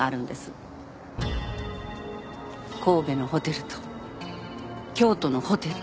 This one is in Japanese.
神戸のホテルと京都のホテル。